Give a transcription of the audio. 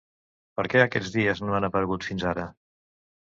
¿Per què aquests dies no han aparegut fins ara?